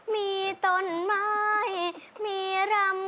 มีต้นไม้มีรำ